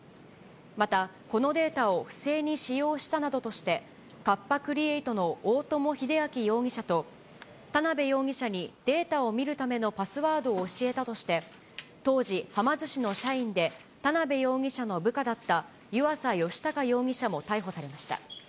また、このデータを不正に使用したなどとして、カッパ・クリエイトの大友英昭容疑者と、田辺容疑者にデータを見るためのパスワードを教えたとして、当時、はま寿司の社員で田辺容疑者の部下だった湯浅宜孝容疑者も逮捕されました。